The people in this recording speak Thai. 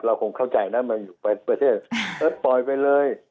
คงเข้าใจนะมันอยู่ประเทศปล่อยไปเลย